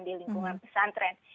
di lingkungan pesantren